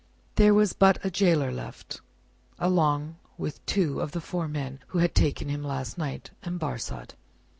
There was but a gaoler left, along with two of the four men who had taken him last night, and Barsad.